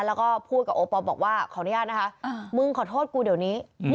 แล้วก็พูดกับโอปอล์บอกว่าขออนุญาตนะคะมึงขอโทษกูเดี๋ยวนี้